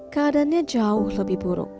keadaannya jauh lebih buruk